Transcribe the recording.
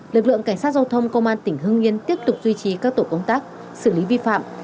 lực lượng cảnh sát giao thông công an tỉnh hưng yên tiếp tục duy trì các tổ công tác xử lý vi phạm